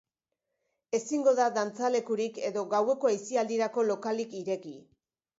Ezingo da dantzalekurik edo gaueko aisialdirako lokalik ireki.